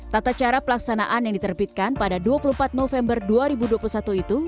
tata cara pelaksanaan yang diterbitkan pada dua puluh empat november dua ribu dua puluh satu itu